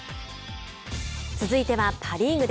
続いてはパ・リーグ。